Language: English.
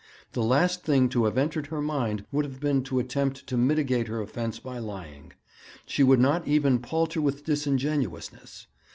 The last thing to have entered her mind would have been to attempt to mitigate her offence by lying; she would not even palter with disingenuousness.